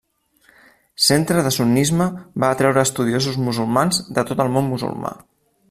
Centre de sunnisme va atreure estudiosos musulmans de tot el món musulmà.